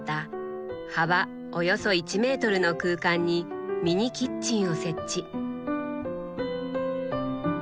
幅およそ１メートルの空間にミニキッチンを設置。